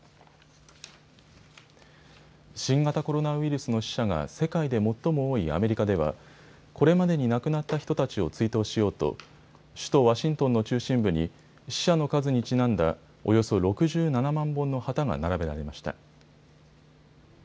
新型コロナウイルスの死者が世界で最も多いアメリカでは、これまでに亡くなった人たちを追悼しようと、首都ワシントンの中心部に、死者の数にちなんだおよそ６７万本の旗が並べられました。